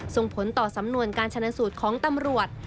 ส่งผลต่อสำนวนการชนะสูตรของตำรวจ